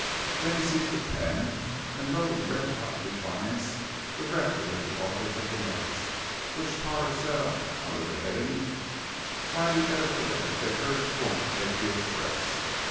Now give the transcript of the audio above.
Then he seized a pen and wrote a red hot defiance directed at the authors of the notice, which Potter set up under the heading: "Why the Editor of the Kicker Won't Take the Express."